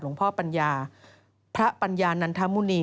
พ่อปัญญาพระปัญญานันทมุณี